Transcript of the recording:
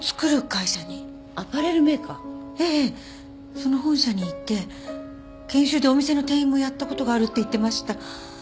その本社にいて研修でお店の店員もやったことがあるって言ってました。